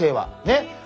ねっ。